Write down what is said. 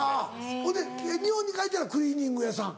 ほんで日本に帰ったらクリーニング屋さん？